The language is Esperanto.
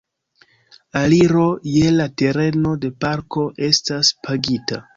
Aliro je la tereno de parko estas pagita.